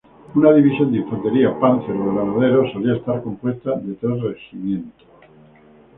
Una división de Infantería, Panzer o Granaderos solía estar compuesta de tres regimientos.